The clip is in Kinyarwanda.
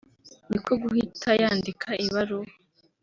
niko guhita yandika ibaruwa